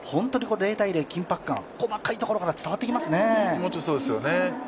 緊迫感が細かいところから伝わってきますね。